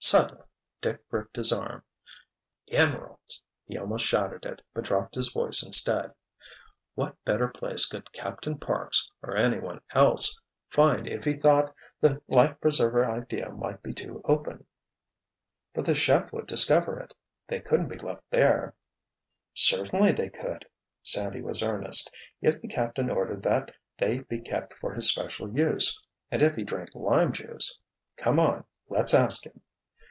—— Suddenly Dick gripped his arm. "Emeralds!" he almost shouted it, but dropped his voice instead. "What better place could Captain Parks—or anyone else—find if he thought the life preserver idea might be too open?" "But the chef would discover it—they couldn't be left there!" "Certainly they could." Sandy was earnest. "If the Captain ordered that they be kept for his special use—and if he drank lime juice. Come on, let's ask him."